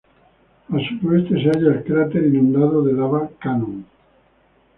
Al sureste se halla el cráter inundado de lava Cannon.